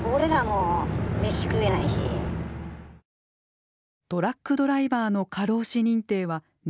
トラックドライバーの過労死認定は年間２６件。